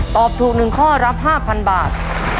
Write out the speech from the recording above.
ตอบถูก๑ข้อรับ๕๐๐บาท